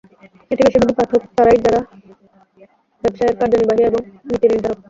এটি বেশিরভাগই পাঠক তারাই যারা ব্যবসায়ের কার্যনির্বাহী এবং নীতি নির্ধারক।